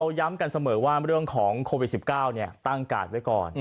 ย้ำกันเสมอว่าเรื่องของโควิด๑๙ตั้งการ์ดไว้ก่อน